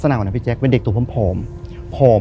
เล็กคนนี้เป็นเป็นเด็กพร้อม